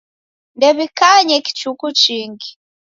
Ndew'ikanye kichuku chingi.